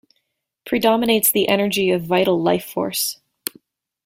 Predominates the energy of vital life force.